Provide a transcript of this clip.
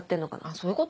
そういうこと？